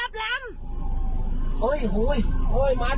พี่ให้ตอบ